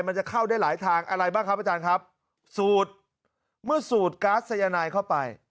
มันจะเข้าได้หลายทางอะไรบ้างครับอาจารย์ครับสูตรเมื่อสูดก๊าซสายนายเข้าไป